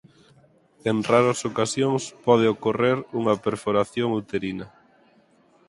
En raras ocasións pode ocorrer unha perforación uterina.